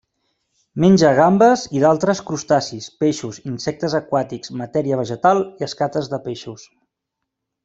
Menja gambes i d'altres crustacis, peixos, insectes aquàtics, matèria vegetal i escates de peixos.